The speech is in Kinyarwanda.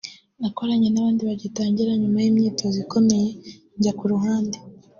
nakoranye n’abandi bagitangira nyuma imyitozo ikomeye njya ku ruhande